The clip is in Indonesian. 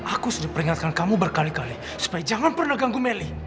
aku sudah peringatkan kamu berkali kali supaya jangan pernah ganggu melly